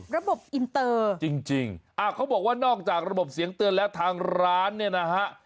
ระบบอินเตอร์จริงจริงอ่าเขาบอกว่านอกจากระบบเสียงเตือนแล้วทางร้านเนี่ยนะฮะ